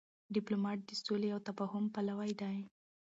ډيپلومات د سولي او تفاهم پلوی دی.